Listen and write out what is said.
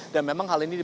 dan memang hal ini dibuat